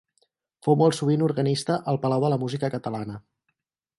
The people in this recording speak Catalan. Fou molt sovint organista al Palau de la Música Catalana.